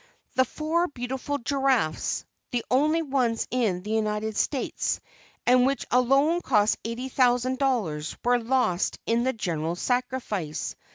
The four beautiful giraffes the only ones in the United States, and which alone cost $80,000 were lost in the general sacrifice.